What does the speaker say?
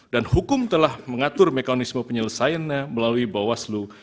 dan hukum telah mengatur mekanisme penyelesaiannya melalui bawaslu